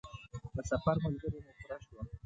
د سفر ملګري مو پوره شول.